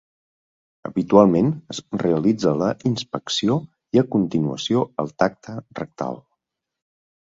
Habitualment es realitza la inspecció i a continuació el tacte rectal.